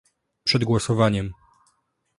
przed głosowaniem